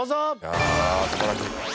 いや素晴らしい。